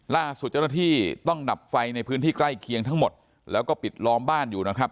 ล่าสุดเจ้าหน้าที่ต้องดับไฟในพื้นที่ใกล้เคียงทั้งหมดแล้วก็ปิดล้อมบ้านอยู่นะครับ